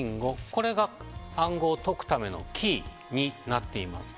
これが暗号を解くためのキーになっています。